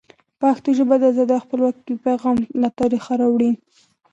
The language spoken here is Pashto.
پښتو ژبه د ازادۍ او خپلواکۍ پیغام له تاریخه را وړي.